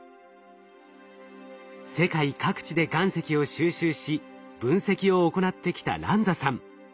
世界各地で岩石を収集し分析を行ってきたランザさん。